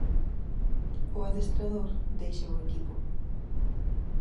O adestrador deixa o equipo.